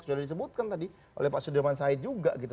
sudah disebutkan tadi oleh pak sudirman said juga gitu